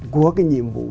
của cái nhiệm vụ